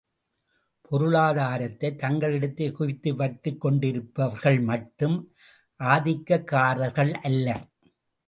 பொருளாதாரத்தைத் தங்களிடத்தே குவித்து வைத்துக்கொண்டிருப்பவர்கள் மட்டும் ஆதிக்கக்காரர்கள் அல்லர்.